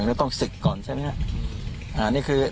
เราต้องศึกก่อนใช่ไหมครับ